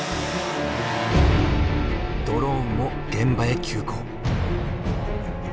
ドローンも現場へ急行。